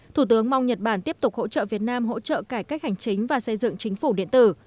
thủ tướng mong nhật bản tiếp tục hỗ trợ việt nam hỗ trợ cải cách hành chính và xây dựng chính phủ điện tử